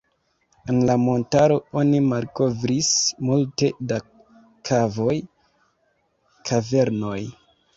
En la montaro oni malkovris multe da kavoj, kavernoj.